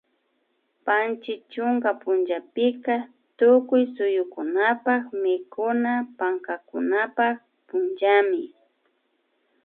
Panchi chunka punllapika tukuy suyukunapak mikuna pankakunapak punllami